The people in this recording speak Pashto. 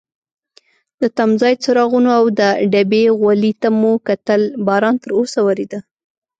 د تمځای څراغونو او د ډبې غولي ته مو کتل، باران تراوسه وریده.